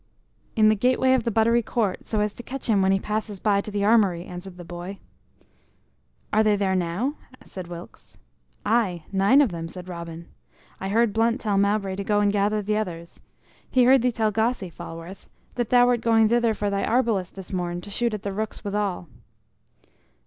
"In the gate way of the Buttery Court, so as to catch him when he passes by to the armory," answered the boy. "Are they there now?" said Wilkes. "Aye, nine of them," said Robin. "I heard Blunt tell Mowbray to go and gather the others. He heard thee tell Gosse, Falworth, that thou wert going thither for thy arbalist this morn to shoot at the rooks withal."